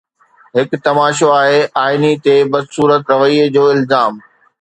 هڪ تماشو آهي، آئيني تي بدصورت رويي جو الزام